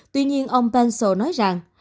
tuy nhiên ông bensel nói rằng